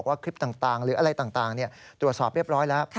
คลิปต่างหรืออะไรต่างตรวจสอบเรียบร้อยแล้ว